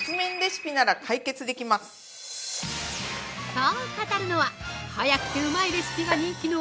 ◆そう語るのは、早くて美味いレシピが人気の